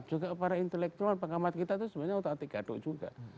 juga para intelektual pengamat kita itu sebenarnya otak atik gadok juga